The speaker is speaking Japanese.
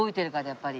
やっぱり。